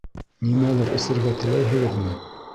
Нимәлер эсергә теләйһегеҙме?